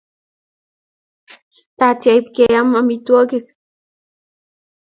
Tatya ipkeam amitwogik.